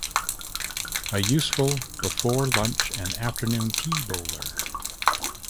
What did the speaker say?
A useful before Lunch and Afternoon Tea bowler.